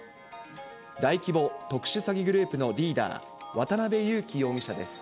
大規模特殊詐欺グループのリーダー、渡辺優樹容疑者です。